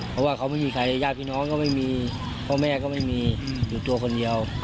เพราะว่าเขาไม่มีใครญาติพี่น้องก็ไม่มีพ่อแม่ก็ไม่มีอยู่ตัวคนเดียว